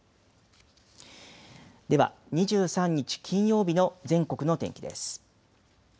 では、２３日金曜日の全国の天気です。